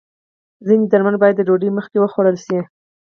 ځینې درمل باید د ډوډۍ مخکې وخوړل شي.